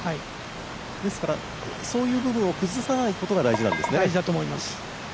ですからそういう部分を崩さないことが大事なんですね。